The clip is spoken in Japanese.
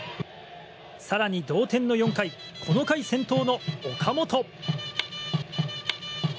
更に同点の４回この回先頭の岡本。